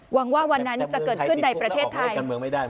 หวังว่าวันนั้นจะเกิดขึ้นในประเทศไทย